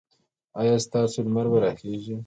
ایا ستاسو لمر به راخېژي؟